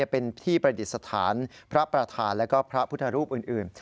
เป็นที่ประดิษฐานพระประธานและพระพุทธรูปอื่น